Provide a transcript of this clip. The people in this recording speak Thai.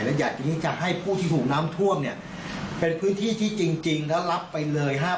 และอยากจะให้ผู้ที่ถูกน้ำท่วมเนี่ยเป็นพื้นที่ที่จริงแล้วรับไปเลย